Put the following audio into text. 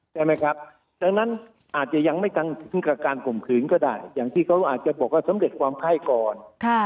ใช่ไหมครับดังนั้นอาจจะยังไม่ทันถึงกับการข่มขืนก็ได้อย่างที่เขาอาจจะบอกว่าสำเร็จความไข้ก่อน